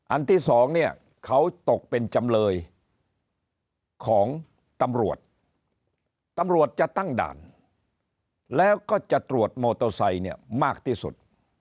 ที่สองเนี่ยเขาตกเป็นจำเลยของตำรวจตำรวจจะตั้งด่านแล้วก็จะตรวจมอเตอร์ไซค์เนี่ยมากที่สุด